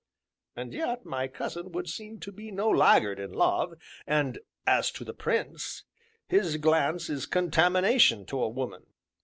"And yet my cousin would seem to be no laggard in love, and as to the Prince his glance is contamination to a woman."